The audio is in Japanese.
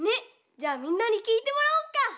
じゃあみんなにきいてもらおうか！